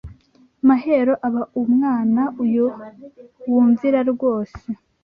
Mahero aba Umwana Uyu wumvira rwose